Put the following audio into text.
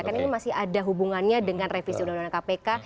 karena ini masih ada hubungannya dengan revisi undang undang kpk